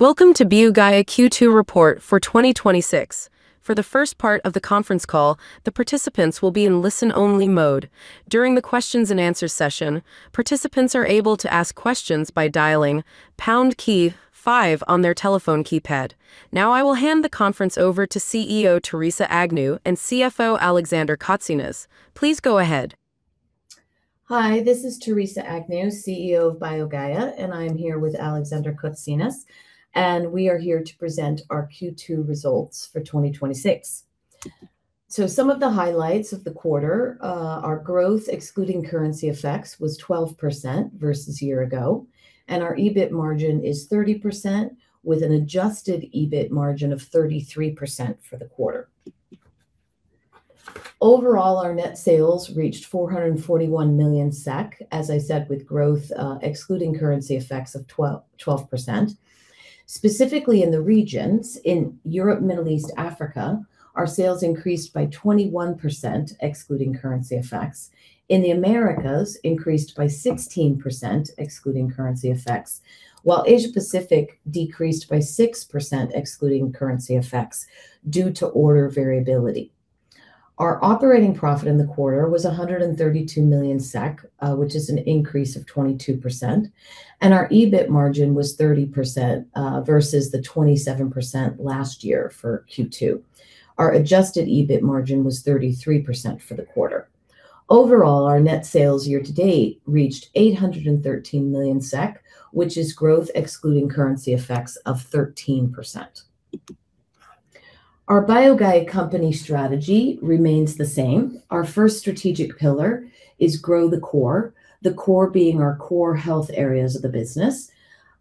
Welcome to BioGaia Q2 report for 2026. For the first part of the conference call, the participants will be in listen-only mode. During the questions and answers session, participants are able to ask questions by dialing pound key five on their telephone keypad. Now I will hand the conference over to CEO Theresa Agnew and CFO Alexander Kotsinas. Please go ahead. Hi, this is Theresa Agnew, CEO of BioGaia, and I am here with Alexander Kotsinas, and we are here to present our Q2 results for 2026. Some of the highlights of the quarter, our growth excluding currency effects was 12% versus year-ago. Our EBIT margin is 30% with an adjusted EBIT margin of 33% for the quarter. Overall, our net sales reached 441 million SEK, as I said, with growth, excluding currency effects of 12%. Specifically in the regions, in Europe, Middle East, Africa, our sales increased by 21%, excluding currency effects. In the Americas, increased by 16%, excluding currency effects. While Asia Pacific decreased by 6%, excluding currency effects due to order variability. Our operating profit in the quarter was 132 million SEK, which is an increase of 22%. Our EBIT margin was 30%, versus the 27% last year for Q2. Our adjusted EBIT margin was 33% for the quarter. Overall, our net sales year to date reached 813 million SEK, which is growth excluding currency effects of 13%. Our BioGaia company strategy remains the same. Our first strategic pillar is grow the core, the core being our core health areas of the business,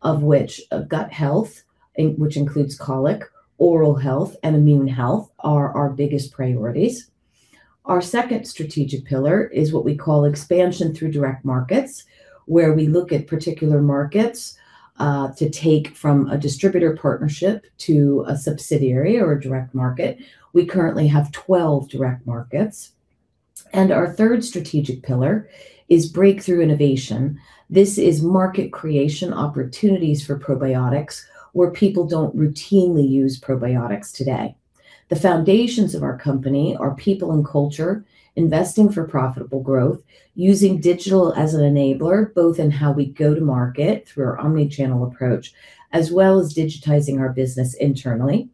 of which gut health, which includes colic, oral health, and immune health, are our biggest priorities. Our second strategic pillar is what we call expansion through direct markets, where we look at particular markets, to take from a distributor partnership to a subsidiary or a direct market. We currently have 12 direct markets. Our third strategic pillar is breakthrough innovation. This is market creation opportunities for probiotics where people don't routinely use probiotics today. The foundations of our company are people and culture, investing for profitable growth, using digital as an enabler, both in how we go to market through our omni-channel approach, as well as digitizing our business internally.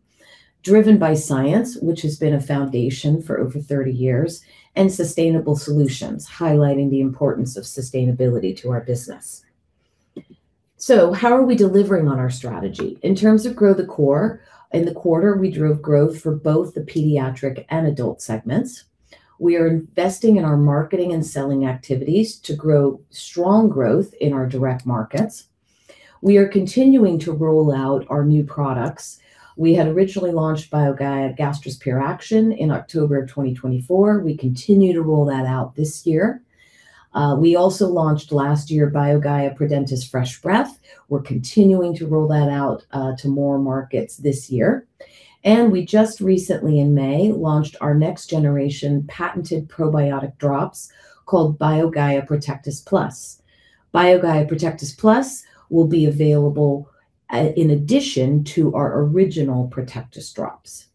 Driven by science, which has been a foundation for over 30 years. Sustainable solutions, highlighting the importance of sustainability to our business. How are we delivering on our strategy? In terms of grow the core, in the quarter, we drove growth for both the pediatric and adult segments. We are investing in our marketing and selling activities to grow strong growth in our direct markets. We are continuing to roll out our new products. We had originally launched BioGaia Gastrus PURE ACTION in October of 2024. We continue to roll that out this year. We also launched last year BioGaia Prodentis Fresh Breath. We're continuing to roll that out to more markets this year. We just recently in May, launched our next generation patented probiotic drops called BioGaia Protectis Plus. BioGaia Protectis Plus will be available in addition to our original Protectis drops.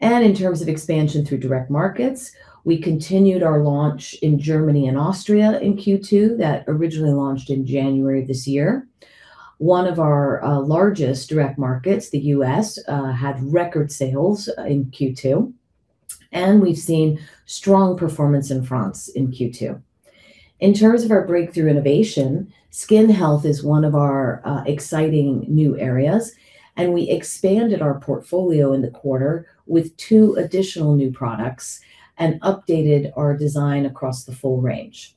In terms of expansion through direct markets, we continued our launch in Germany and Austria in Q2 that originally launched in January this year. One of our largest direct markets, the U.S., had record sales in Q2. We've seen strong performance in France in Q2. In terms of our breakthrough innovation, skin health is one of our exciting new areas, we expanded our portfolio in the quarter with two additional new products and updated our design across the full range.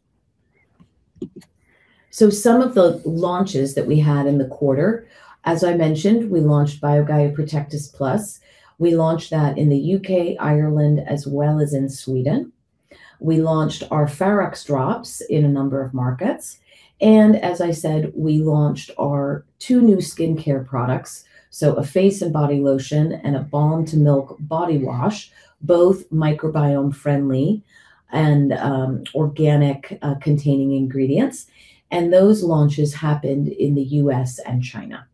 Some of the launches that we had in the quarter, as I mentioned, we launched BioGaia Protectis Plus. We launched that in the U.K., Ireland, as well as in Sweden. We launched our Pharax drops in a number of markets. As I said, we launched our two new skincare products, a face and body lotion and a balm to milk body wash, both microbiome friendly and organic containing ingredients, those launches happened in the U.S. and China.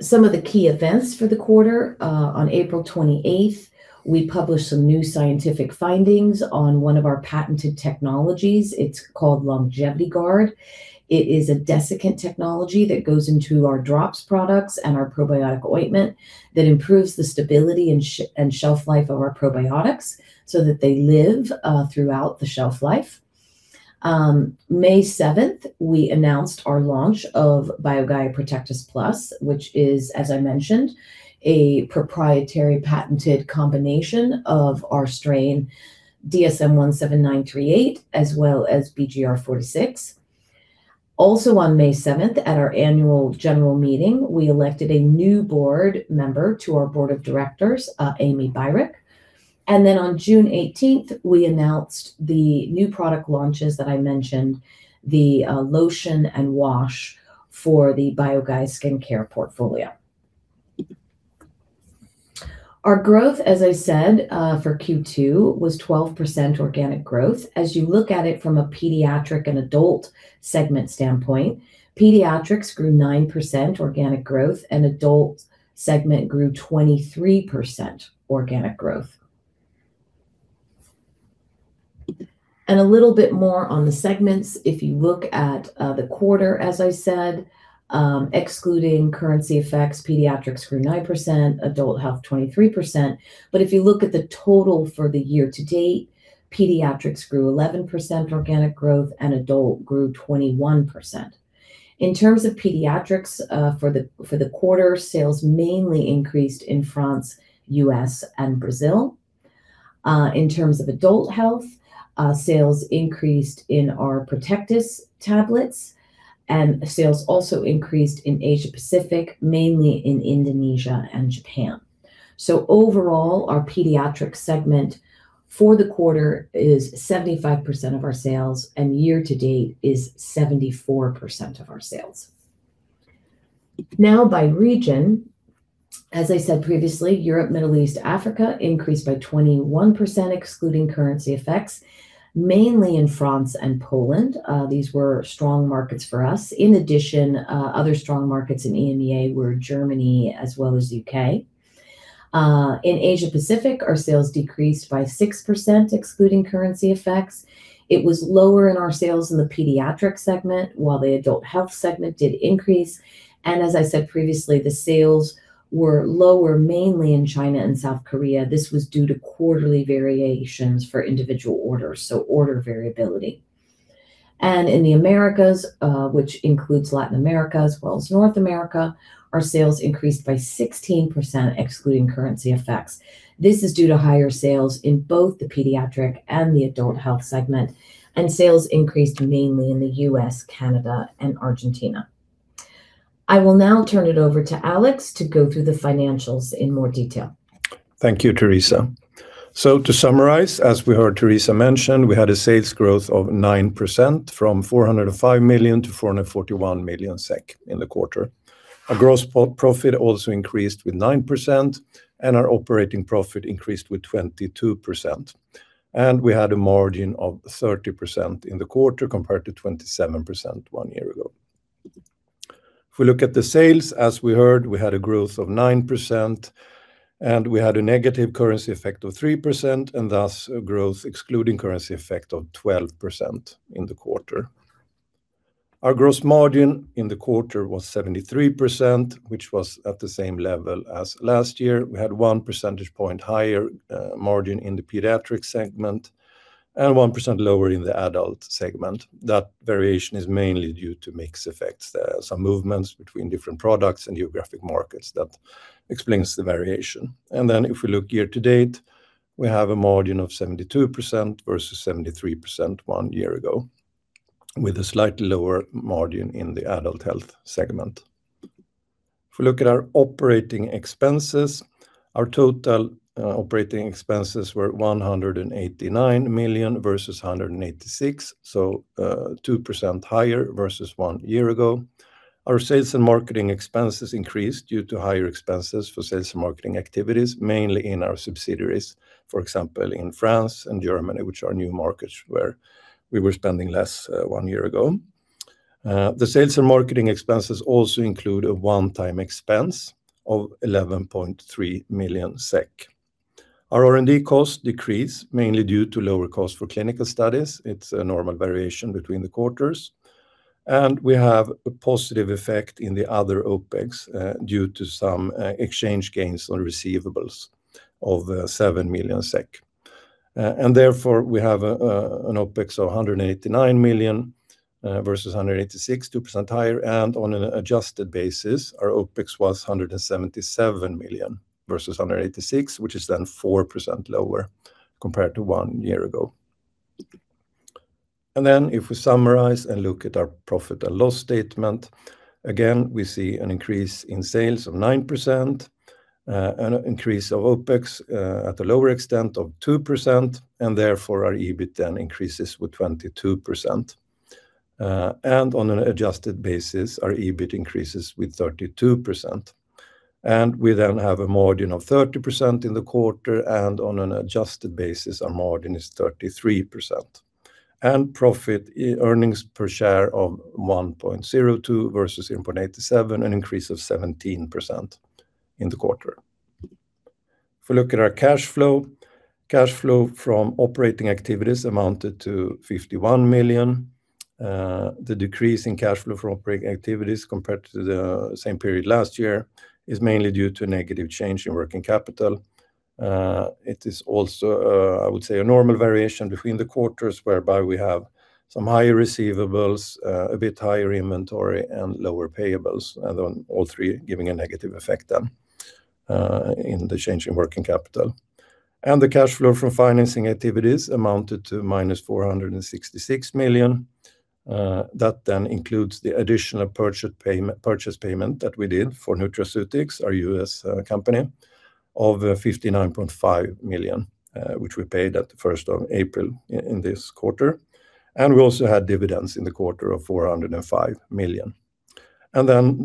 Some of the key events for the quarter, on April 28th, we published some new scientific findings on one of our patented technologies. It's called LongevityGuard. It is a desiccant technology that goes into our drops products and our probiotic ointment that improves the stability and shelf life of our probiotics so that they live throughout the shelf life. May 7th, we announced our launch of BioGaia Protectis Plus, which is, as I mentioned, a proprietary patented combination of our strain DSM 17938 as well as BG-R46. Also on May 7th, at our annual general meeting, we elected a new board member to our board of directors, Amy Byrick. On June 18th, we announced the new product launches that I mentioned, the lotion and wash for the BioGaia skincare portfolio. Our growth, as I said, for Q2 was 12% organic growth. As you look at it from a pediatric and adult segment standpoint, pediatrics grew 9% organic growth, adult segment grew 23% organic growth. A little bit more on the segments. If you look at the quarter, as I said, excluding currency effects, pediatrics grew 9%, adult health 23%. If you look at the total for the year to date, pediatrics grew 11% organic growth adult grew 21%. In terms of pediatrics for the quarter, sales mainly increased in France, U.S., and Brazil. In terms of adult health, sales increased in our Protectis tablets, sales also increased in Asia Pacific, mainly in Indonesia and Japan. Overall, our pediatric segment for the quarter is 75% of our sales, year to date is 74% of our sales. By region, as I said previously, Europe, Middle East, Africa increased by 21%, excluding currency effects, mainly in France and Poland. These were strong markets for us. In addition, other strong markets in EMEA were Germany as well as U.K. In Asia Pacific, our sales decreased by 6%, excluding currency effects. It was lower in our sales in the pediatric segment, while the adult health segment did increase. As I said previously, the sales were lower, mainly in China and South Korea. This was due to quarterly variations for individual orders, so order variability. In the Americas, which includes Latin America as well as North America, our sales increased by 16%, excluding currency effects. This is due to higher sales in both the pediatric and the adult health segment, and sales increased mainly in the U.S., Canada, and Argentina. I will now turn it over to Alex to go through the financials in more detail. Thank you, Theresa. To summarize, as we heard Theresa mention, we had a sales growth of 9%, from 405 million to 441 million SEK in the quarter. Our gross profit also increased with 9%, and our operating profit increased with 22%. We had a margin of 30% in the quarter, compared to 27% one year ago. If we look at the sales, as we heard, we had a growth of 9%, and we had a negative currency effect of 3%, and thus a growth excluding currency effect of 12% in the quarter. Our gross margin in the quarter was 73%, which was at the same level as last year. We had 1 percentage point higher margin in the pediatric segment and 1% lower in the adult segment. That variation is mainly due to mix effects. There are some movements between different products and geographic markets that explains the variation. If we look year-to-date, we have a margin of 72% versus 73% one year ago, with a slightly lower margin in the adult health segment. If we look at our operating expenses, our total operating expenses were 189 million versus 186 million, so 2% higher versus one year ago. Our sales and marketing expenses increased due to higher expenses for sales and marketing activities, mainly in our subsidiaries. For example, in France and Germany, which are new markets where we were spending less one year ago. The sales and marketing expenses also include a one-time expense of 11.3 million SEK. Our R&D costs decreased mainly due to lower cost for clinical studies. It is a normal variation between the quarters. We have a positive effect in the other OpEx, due to some exchange gains on receivables of 7 million SEK. Therefore, we have an OpEx of 189 million versus 186 million, 2% higher. On an adjusted basis, our OpEx was 177 million versus 186 million, which is then 4% lower compared to one year ago. If we summarize and look at our profit and loss statement, again, we see an increase in sales of 9%, an increase of OpEx at a lower extent of 2%, and therefore our EBIT increases with 22%. On an adjusted basis, our EBIT increases with 32%. We then have a margin of 30% in the quarter, and on an adjusted basis, our margin is 33%. Profit earnings per share of 1.02 versus 0.87, an increase of 17% in the quarter. If we look at our cash flow, cash flow from operating activities amounted to 51 million. The decrease in cash flow from operating activities compared to the same period last year is mainly due to negative change in working capital. It is also, I would say, a normal variation between the quarters whereby we have some higher receivables, a bit higher inventory, and lower payables, all three giving a negative effect then in the change in working capital. The cash flow from financing activities amounted to -466 million. That then includes the additional purchase payment that we did for Nutraceutics, our U.S. company, of 59.5 million, which we paid at the 1st of April in this quarter. We also had dividends in the quarter of 405 million. The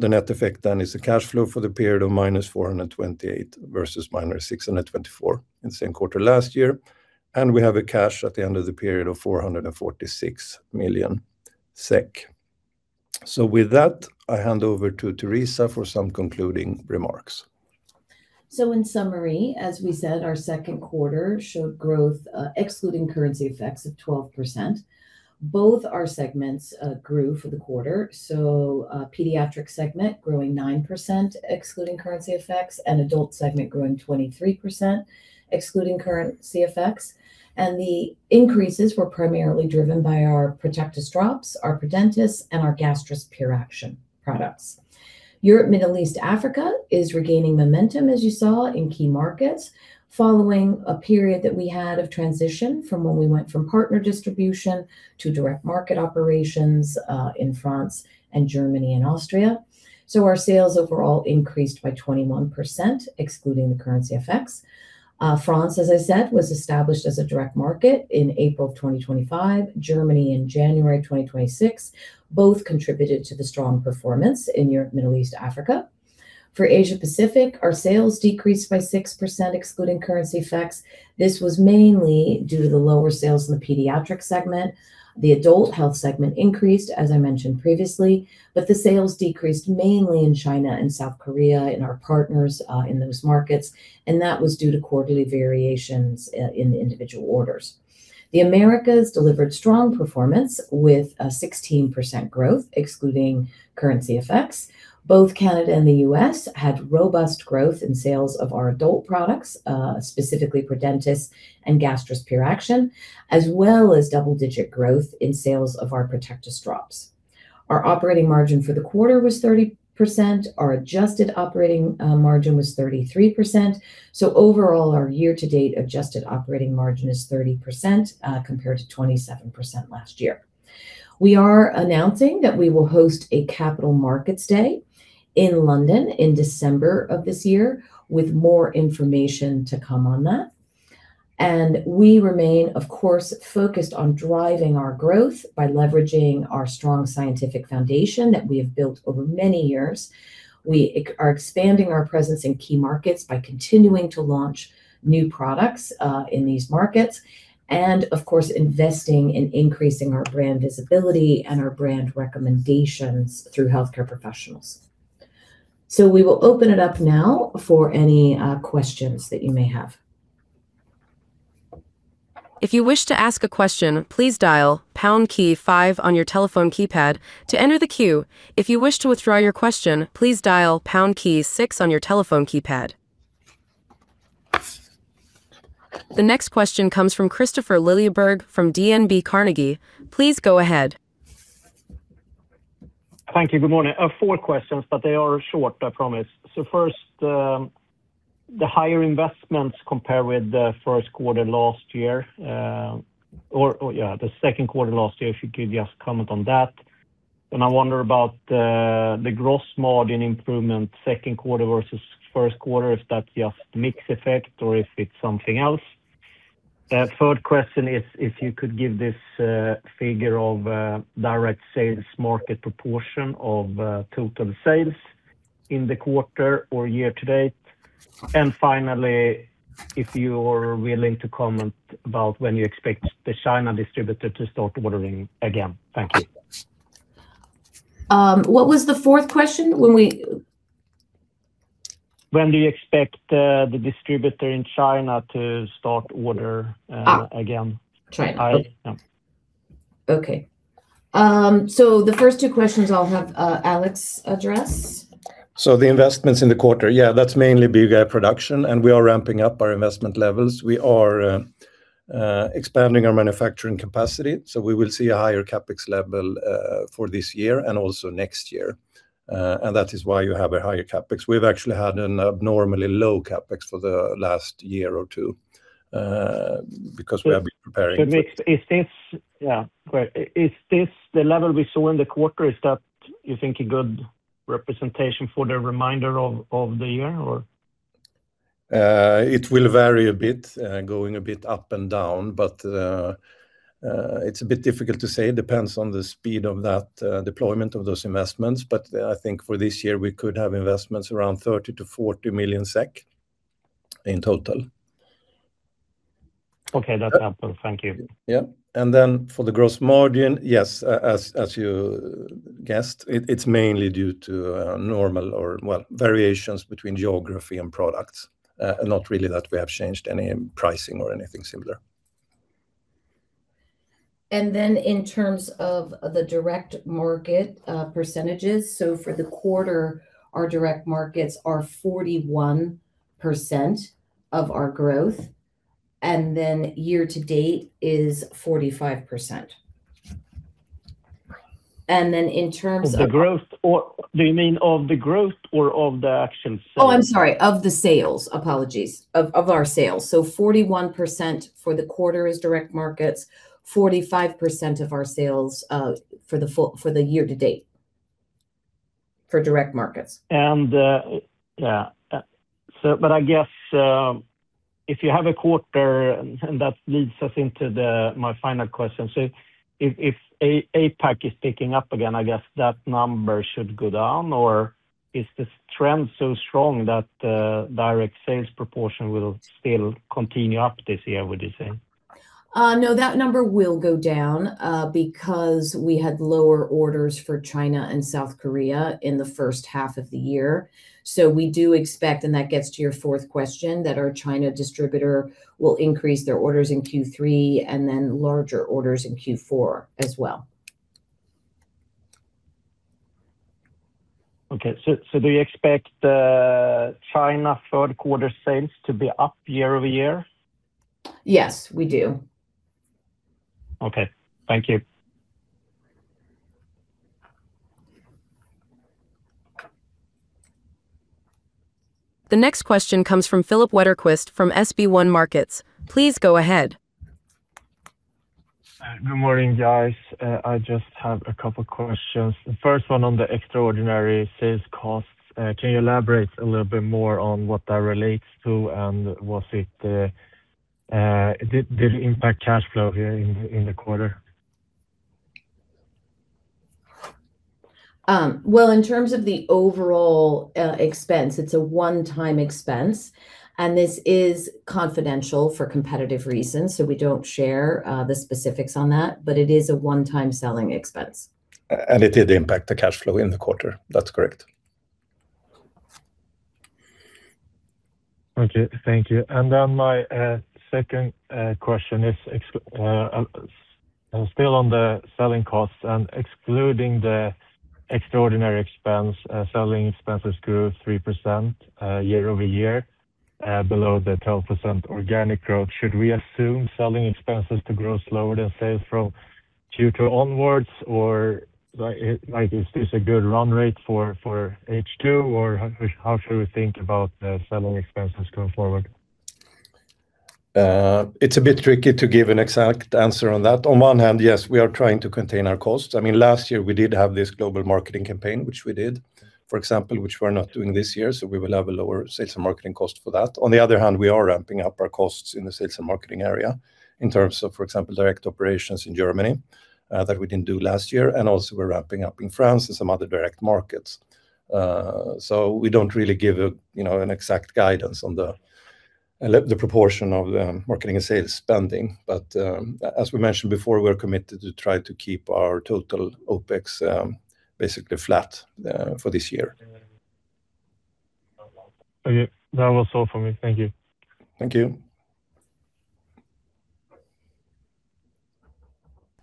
net effect then is the cash flow for the period of -428 million versus -624 million in the same quarter last year. We have a cash at the end of the period of 446 million SEK. With that, I hand over to Theresa for some concluding remarks. In summary, as we said, our second quarter showed growth, excluding currency effects, of 12%. Both our segments grew for the quarter. Pediatric segment growing 9%, excluding currency effects, and adult segment growing 23%, excluding currency effects. The increases were primarily driven by our Protectis drops, our Prodentis, and our Gastrus PURE ACTION products. Europe, Middle East, Africa is regaining momentum, as you saw, in key markets following a period that we had of transition from when we went from partner distribution to direct market operations in France and Germany and Austria. Our sales overall increased by 21%, excluding the currency effects. France, as I said, was established as a direct market in April 2025, Germany in January 2026. Both contributed to the strong performance in Europe, Middle East, Africa. For Asia Pacific, our sales decreased by 6%, excluding currency effects. This was mainly due to the lower sales in the pediatric segment. The adult health segment increased, as I mentioned previously, but the sales decreased mainly in China and South Korea in our partners in those markets, that was due to quarterly variations in the individual orders. The Americas delivered strong performance with a 16% growth, excluding currency effects. Both Canada and the U.S. had robust growth in sales of our adult products, specifically Prodentis and Gastrus PURE ACTION, as well as double-digit growth in sales of our Protectis drops. Our operating margin for the quarter was 30%. Our adjusted operating margin was 33%. Overall, our year-to-date adjusted operating margin is 30%, compared to 27% last year. We are announcing that we will host a capital markets day in London in December this year, with more information to come on that. We remain, of course, focused on driving our growth by leveraging our strong scientific foundation that we have built over many years. We are expanding our presence in key markets by continuing to launch new products in these markets, and of course, investing in increasing our brand visibility and our brand recommendations through healthcare professionals. We will open it up now for any questions that you may have. If you wish to ask a question, please dial pound key five on your telephone keypad to enter the queue. If you wish to withdraw your question, please dial pound key six on your telephone keypad. The next question comes from Kristofer Liljeberg from DNB Carnegie. Please go ahead. Thank you. Good morning. I have four questions, but they are short, I promise. First, the higher investments compare with the first quarter last year, or the second quarter last year, if you could just comment on that. I wonder about the gross margin improvement second quarter versus first quarter. Is that just mix effect or is it something else? Third question is if you could give this figure of direct sales market proportion of total sales in the quarter or year to date. Finally, if you're willing to comment about when you expect the China distributor to start ordering again. Thank you. What was the fourth question? When we- When do you expect the distributor in China to start order again? China. Yeah. Okay. The first two questions, I'll have Alex address. The investments in the quarter, yeah, that's mainly BioGaia Production, and we are ramping up our investment levels. We are expanding our manufacturing capacity, so we will see a higher CapEx level for this year and also next year. That is why you have a higher CapEx. We've actually had an abnormally low CapEx for the last year or two, because we have been preparing. Is this the level we saw in the quarter? Is that, you think, a good representation for the remainder of the year? It will vary a bit, going a bit up and down. It's a bit difficult to say. It depends on the speed of that deployment of those investments. I think for this year, we could have investments around 30 million-40 million SEK in total. Okay. That's helpful. Thank you. Yeah. For the gross margin, yes, as you guessed, it's mainly due to normal or, well, variations between geography and products. Not really that we have changed any pricing or anything similar. In terms of the direct market percentages, for the quarter, our direct markets are 41% of our growth, year-to-date is 45%. Of the growth? Do you mean of the growth or of the actual sales? I'm sorry, of the sales. Apologies. Of our sales. 41% for the quarter is direct markets, 45% of our sales for the year-to-date for direct markets. I guess If you have a quarter, and that leads us into my final question. If APAC is picking up again, I guess that number should go down, or is this trend so strong that the direct sales proportion will still continue up this year, would you say? No, that number will go down because we had lower orders for China and South Korea in the first half of the year. We do expect, and that gets to your fourth question, that our China distributor will increase their orders in Q3 and then larger orders in Q4 as well. Okay. Do you expect China third quarter sales to be up year-over-year? Yes, we do. Okay. Thank you. The next question comes from Filip Wetterqvist from SB1 Markets. Please go ahead. Good morning, guys. I just have a couple questions. The first one on the extraordinary sales costs, can you elaborate a little bit more on what that relates to, and did it impact cash flow here in the quarter? Well, in terms of the overall expense, it's a one-time expense, and this is confidential for competitive reasons, so we don't share the specifics on that, but it is a one-time selling expense. It did impact the cash flow in the quarter. That's correct. Okay. Thank you. My second question is, still on the selling costs and excluding the extraordinary expense, selling expenses grew 3% year-over-year, below the 12% organic growth. Should we assume selling expenses to grow slower than sales from Q2 onwards? Is this a good run rate for H2, or how should we think about the selling expenses going forward? It's a bit tricky to give an exact answer on that. On one hand, yes, we are trying to contain our costs. Last year, we did have this global marketing campaign, which we did, for example, which we're not doing this year, so we will have a lower sales and marketing cost for that. On the other hand, we are ramping up our costs in the sales and marketing area in terms of, for example, direct operations in Germany, that we didn't do last year, and also we're ramping up in France and some other direct markets. We don't really give an exact guidance on the proportion of the marketing and sales spending. As we mentioned before, we're committed to try to keep our total OpEx basically flat for this year. Okay. That was all from me. Thank you. Thank you.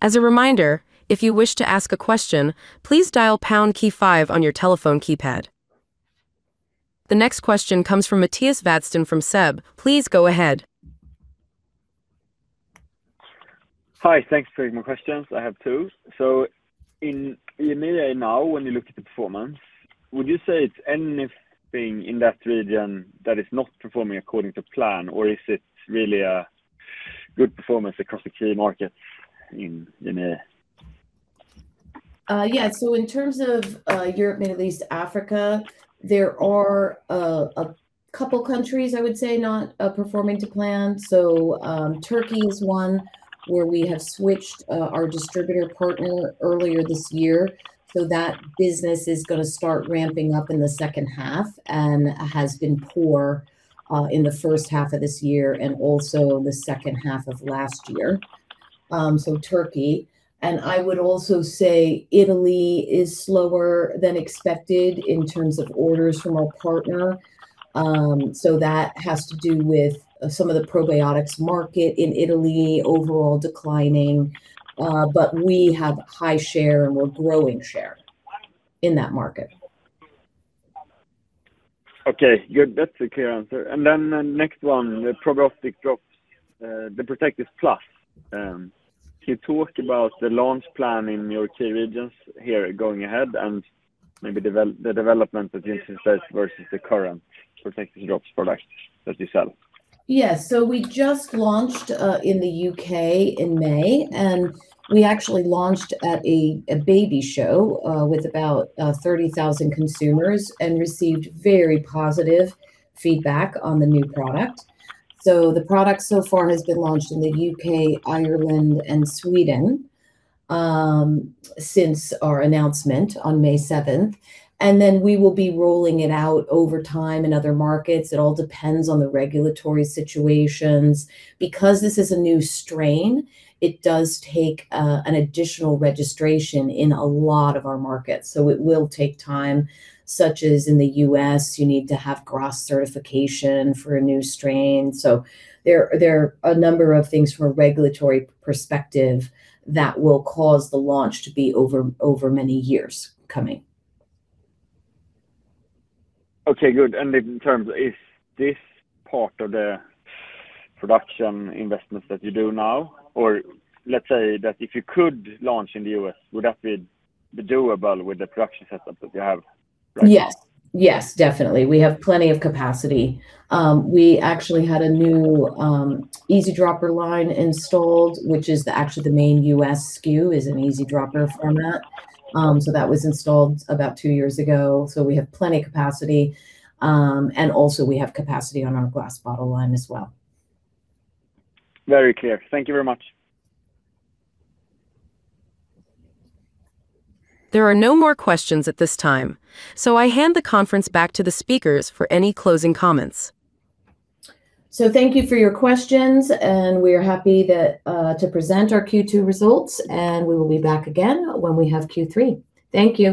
As a reminder, if you wish to ask a question, please dial pound key five on your telephone keypad. The next question comes from Mattias Vadsten from SEB. Please go ahead. Hi. Thanks for taking my questions. I have two. In EMEA now, when you look at the performance, would you say it's anything in that region that is not performing according to plan, or is it really a good performance across the key markets in EMEA? In terms of Europe, Middle East, Africa, there are a couple countries, I would say, not performing to plan. Turkey is one where we have switched our distributor partner earlier this year. That business is going to start ramping up in the second half and has been poor in the first half of this year and also the second half of last year. Turkey, and I would also say Italy is slower than expected in terms of orders from our partner. That has to do with some of the probiotics market in Italy overall declining. We have high share and we're growing share in that market. Okay, good. That's a clear answer. The next one, the Protectis Drops, the Protectis Plus. Can you talk about the launch plan in your key regions here going ahead and maybe the development that you anticipate versus the current Protectis Drops product that you sell? Yes. We just launched in the U.K. in May, and we actually launched at a baby show, with about 30,000 consumers and received very positive feedback on the new product. The product so far has been launched in the U.K., Ireland, and Sweden since our announcement on May 7th. We will be rolling it out over time in other markets. It all depends on the regulatory situations. This is a new strain, it does take an additional registration in a lot of our markets, so it will take time, such as in the U.S., you need to have GRAS certification for a new strain. There are a number of things from a regulatory perspective that will cause the launch to be over many years coming. Okay, good. In terms, is this part of the production investments that you do now? Or let's say that if you could launch in the U.S., would that be doable with the production setup that you have right now? Yes, definitely. We have plenty of capacity. We actually had a new easydropper line installed, which is actually the main U.S. SKU, is an easydropper format. That was installed about two years ago. We have plenty of capacity. Also we have capacity on our glass bottle line as well. Very clear. Thank you very much. There are no more questions at this time. I hand the conference back to the speakers for any closing comments. Thank you for your questions. We are happy to present our Q2 results. We will be back again when we have Q3. Thank you.